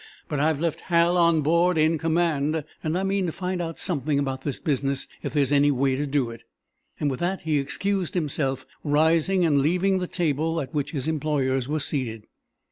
"But I've left Hal on board, in command, and I mean to find out something about this business, if there is any way to do it." With that he excused himself, rising and leaving the table at which his employers were seated.